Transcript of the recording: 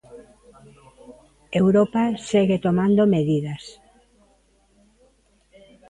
Europa segue tomando medidas.